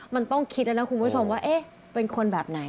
มันต้องคิดแล้วนะคุณผู้ชมว่าเอ๊ะเป็นคนแบบไหน